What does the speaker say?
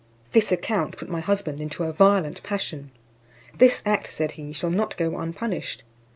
This account put my husband into a violent passion. "This act," said he, "shall not go unpunished.